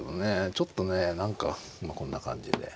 ちょっとね何かまあこんな感じで。